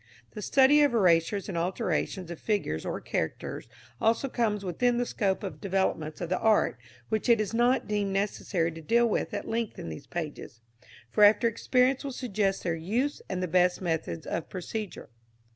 The study of erasures and alterations of figures or characters also comes within the scope of developments of the art which it is not deemed necessary to deal with at length in these pages, for after experience will suggest their use and the best methods of procedure.